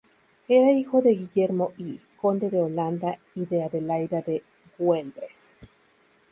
Era hijo de Guillermo I, conde de Holanda, y de Adelaida de Güeldres.